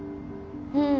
うん。